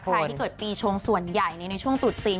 ใครที่เกิดปีชงส่วนใหญ่ในช่วงตรุษจีน